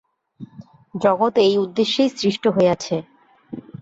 জগৎ এই উদ্দেশ্যেই সৃষ্ট হইয়াছে।